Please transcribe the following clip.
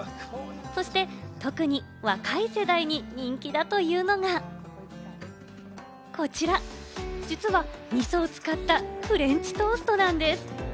そして特に若い世代に人気だというのが、こちら、実はみそを使ったフレンチトーストなんです。